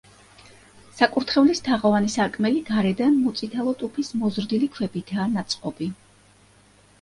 საკურთხევლის თაღოვანი სარკმელი გარედან მოწითალო ტუფის მოზრდილი ქვებითაა ნაწყობი.